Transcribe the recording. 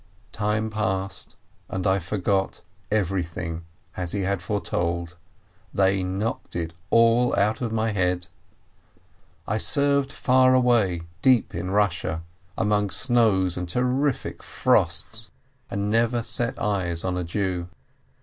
Time passed, and I forgot everything, as he had fore told. They knocked it all out of my head. I served far away, deep in Russia, among snows and terrific frosts, and never set eyes on a Jew.